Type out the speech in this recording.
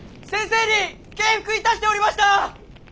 先生に敬服いたしておりました！